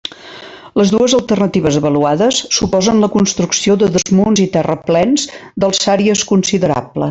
Les dues alternatives avaluades suposen la construcció de desmunts i terraplens d'alçàries considerables.